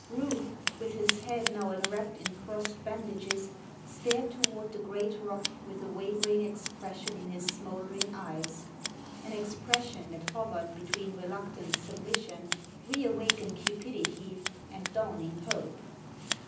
Rufe, with his head now enwrapped in crossed bandages, stared toward the great rock with a wavering expression in his smoldering eyes, an expression that hovered between reluctant submission, reawakened cupidity, and dawning hope.